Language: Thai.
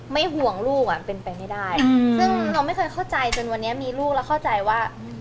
ห่วงลูกอ่ะเป็นไปไม่ได้ซึ่งเราไม่เคยเข้าใจจนวันนี้มีลูกแล้วเข้าใจว่า